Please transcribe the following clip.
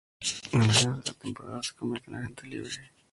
Al final de la temporada, se convirtió en agente libre.